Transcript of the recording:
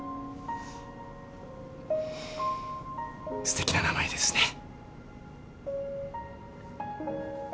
すてきな名前ですね。